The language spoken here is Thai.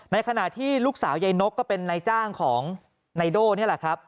ในขณะที่ลูกสาวยายนกก็เป็นนายจ้างของไนโด่นี่แหละครับ